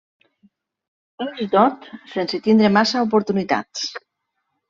Ashdod, sense tindre massa oportunitats.